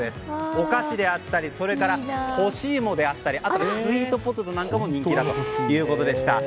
お菓子であったり干し芋であったりあとスイートポテトも人気だということでした。